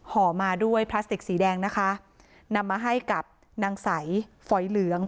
ห่อมาด้วยพลาสติกสีแดงนะคะนำมาให้กับนางใสฝอยเหลือง